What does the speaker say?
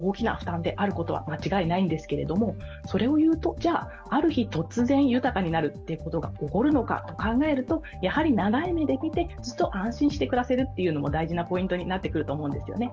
やはり今の手取りが減るというのは、生活者にとっては大きな負担であることは間違いないんですけれどもそれを言うと、じゃあある日突然豊かになることが起こるのかというと、考えると、やはり長い目で見て、ずっと安心して暮らせるのは大事なポイントになってくると思うんですよね。